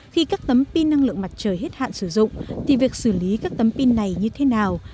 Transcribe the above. khi các tấm pin năng lượng mặt trời hết hạn sử dụng thì việc xử lý các tấm pin này như thế nào